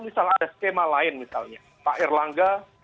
misal ada skema lain misalnya pak erlangga